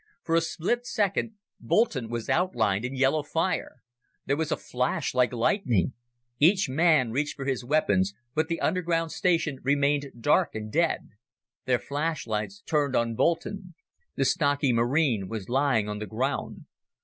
For a split second, Boulton was outlined in yellow fire. There was a flash like lightning. Each man reached for his weapons, but the underground station remained dark and dead. Their flashlights turned on Boulton. The stocky Marine was lying on the ground.